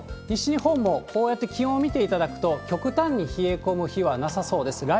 西日本もこうやって気温見ていただくと、極端に冷え込む日はなさそうです。